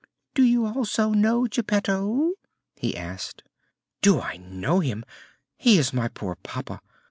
"Do you also know Geppetto?" he asked. "Do I know him! He is my poor papa!